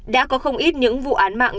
đã có không ít những vụ án mạng